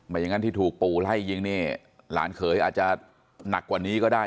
อย่างนั้นที่ถูกปู่ไล่ยิงนี่หลานเขยอาจจะหนักกว่านี้ก็ได้